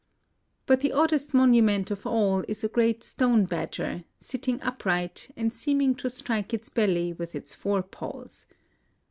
But the oddest monument of all is a great stone badger, sitting upright, and seeming to strike its belly with its fore paws.